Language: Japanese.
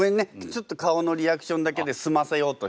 ちょっと顔のリアクションだけですませようとしちゃった。